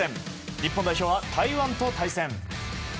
日本代表は台湾と対戦。